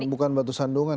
bukan batu sandungan